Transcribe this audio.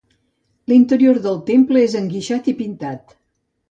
L'interior del temple és enguixat i pintat.